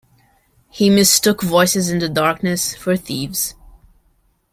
He mistook voices in the darkness for thieves.